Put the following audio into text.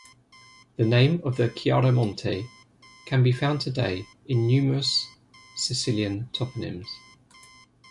The name of the Chiaramonte can be found today in numerous Sicilian toponyms.